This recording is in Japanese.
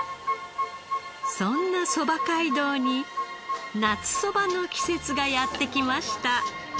そんなそば街道に夏そばの季節がやってきました！